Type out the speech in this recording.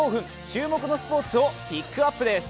注目のスポーツをピックアップです。